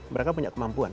mereka punya kemampuan